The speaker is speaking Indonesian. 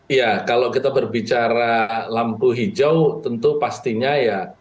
iya kalau kita berbicara lampu hijau tentu pastinya ya